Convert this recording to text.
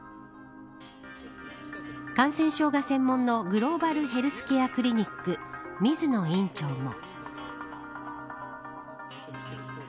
感染症が専門のグローバルヘルスケアクリニック水野院長も。